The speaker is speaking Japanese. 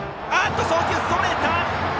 送球がそれた！